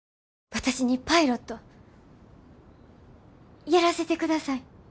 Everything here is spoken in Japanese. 私にパイロットやらせてください。